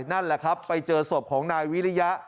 นั่นแหละครับไปเจอศพของนายวิริยะ